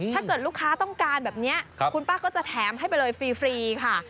ถ้าเกิดลูกค้าต้องการแบบนี้คุณป้าก็จะแถมให้ไปเลยฟรีค่ะ